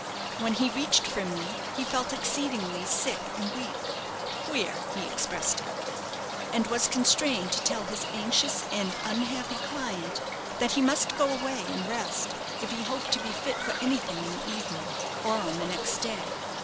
When he reached Frimley he felt exceedingly sick and weak, ("queer," he expressed it), and was constrained to tell his anxious and unhappy client that he must go away and rest if he hoped to be fit for anything in the evening, or on the next day.